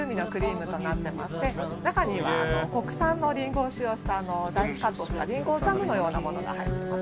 ムとなってまして中には国産のリンゴを使用したダイスカットしたリンゴジャムのようなものが入ってます。